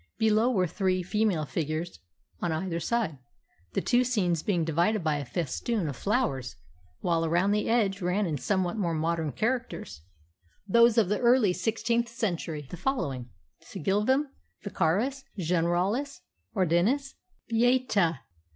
Below were three female figures on either side, the two scenes being divided by a festoon of flowers, while around the edge ran in somewhat more modern characters those of the early sixteenth century the following: + SIGILLVM . VICARIS . GENERALIS . ORDINIS . BEATA